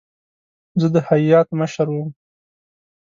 زه د هیات مشر وم.